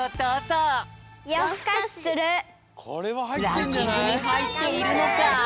ランキングにはいっているのか？